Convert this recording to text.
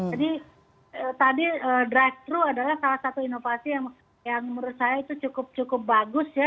jadi tadi drive thru adalah salah satu inovasi yang menurut saya itu cukup cukup bagus ya